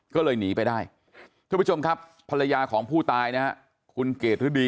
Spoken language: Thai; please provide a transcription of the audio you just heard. ก็เลยหนีไปได้ทุกผู้ชมครับภรรยาของผู้ตายนะฮะคุณเกดฤดี